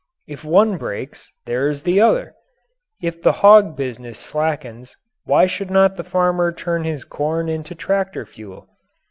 If one breaks, there is the other. If the hog business slackens, why should not the farmer turn his corn into tractor fuel?